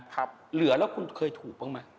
ครับ